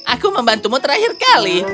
aku membantumu terakhir kali